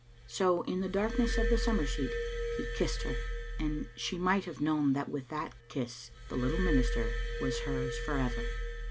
So, in the darkness of the summer seat, he kissed her, and she might have known that with that kiss the little minister was hers forever.